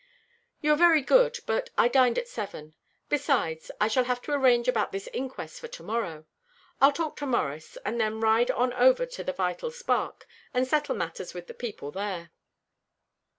"You are very good, but I dined at seven. Besides, I shall have to arrange about this inquest for to morrow. I'll talk to Morris, and then ride on to the Vital Spark, and settle matters with the people there."